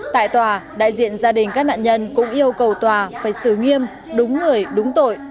tại tòa đại diện gia đình các nạn nhân cũng yêu cầu tòa phải xử nghiêm đúng người đúng tội